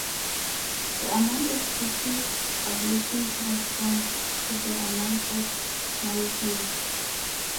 The amount of tissue ablation corresponds to the amount of myopia.